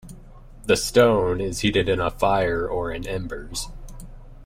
The stone is heated in a fire or in embers.